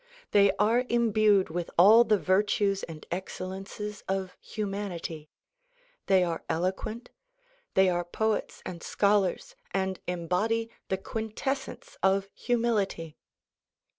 They are imbued with all the virtues and excellences of humanity. They are eloquent, they are poets and scholars and embody the quintessence of humility.